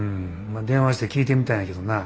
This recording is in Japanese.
あ電話して聞いてみたんやけどな